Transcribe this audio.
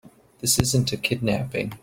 This isn't a kidnapping.